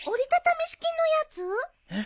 えっ！？